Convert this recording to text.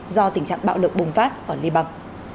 do tình trạng bạo lực bùng phát ở liban